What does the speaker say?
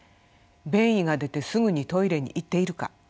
便意が出てすぐにトイレに行っているか